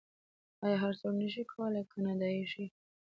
آیا هر څوک نشي کولی کاناډایی شي؟